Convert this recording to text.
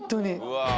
うわ。